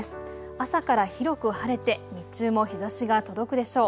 朝から広く晴れて日中も日ざしが届くでしょう。